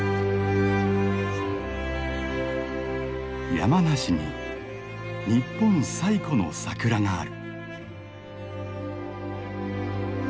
山梨に日本最古の桜がある。